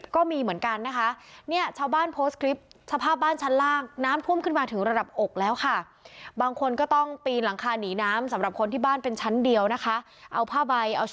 กลับทหารก็เคยหันดูแลเยอะแล้วก็เป็นเพื่อนด้วยครับ